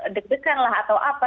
deg deganlah atau apa